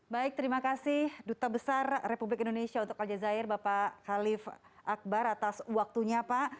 baik terima kasih duta besar republik indonesia untuk aljazair bapak khalif akbar atas waktunya pak